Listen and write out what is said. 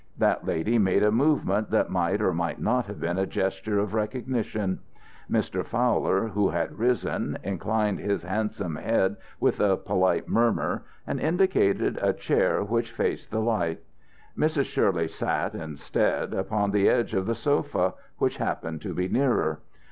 That lady made a movement that might or might not have been a gesture of recognition. Mr. Fowler, who had risen, inclined his handsome head with a polite murmur and indicated a chair which faced the light. Mrs. Shirley sat, instead, upon the edge of the sofa, which happened to be nearer.